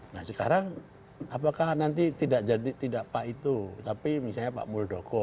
nah sekarang apakah nanti tidak jadi tidak pak itu tapi misalnya pak muldoko